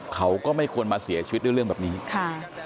เขาก็ไม่ควรมาเสียชีวิตด้วยเรื่องแบบนี้ค่ะ